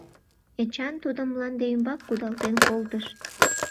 — Эчан тудым мланде ӱмбак кудалтен колтыш.